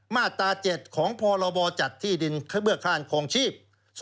มาตรา๗ของพลจัดที่ดินเบื้อกข้านของชีพ๒๑๑๑